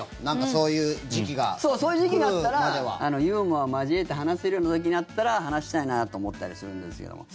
そうそういう時期になったらユーモアを交えて話せる時になったら話したいなと思ったりするんですけども。